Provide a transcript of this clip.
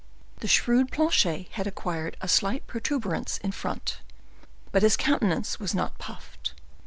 The shrewd Planchet had acquired a slight protuberance in front, but his countenance was not puffed.